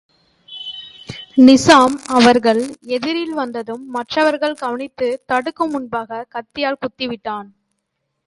நிசாம் அவர்கள் எதிரில் வந்ததும், மற்றவர்கள் கவனித்துத் தடுக்கும் முன்பாகக் கத்தியால் குத்தி விட்டான்.